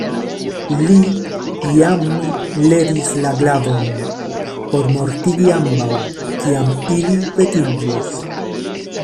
Li jam levis la glavon por mortigi ambaŭ, kiam ili vekiĝis.